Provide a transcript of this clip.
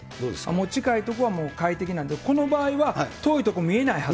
もう近い所は快適なんで、この場合は遠い所見えないはず。